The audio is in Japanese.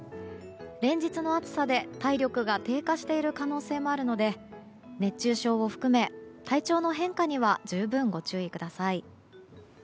連日の暑さで体力が低下している可能性もあるので熱中症を含め、体調の変化には十分ご注意ください。